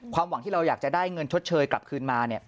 หวังที่เราอยากจะได้เงินชดเชยกลับคืนมา